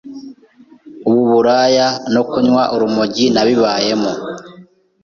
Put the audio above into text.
Ubu buraya no kunywa urumogi nabibayemo